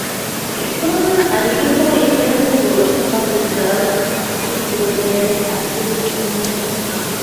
It was an unusual event the portion of the slab is rather aseismic.